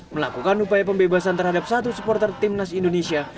melakukan upaya pembebasan terhadap satu supporter timnas indonesia